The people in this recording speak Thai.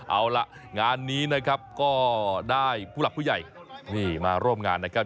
เอาล่ะงานนี้นะครับก็ได้ผู้หลักผู้ใหญ่นี่มาร่วมงานนะครับ